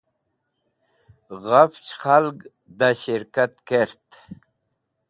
ghafch khalg da shirkat kert